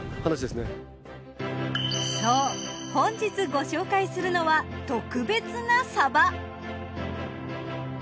そう本日ご紹介するのは特別なサバ。